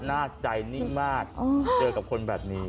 นาคใจนิ่งมากเจอกับคนแบบนี้